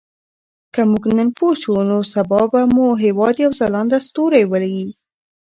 که موږ نن پوه شو نو سبا به مو هېواد یو ځلانده ستوری وي.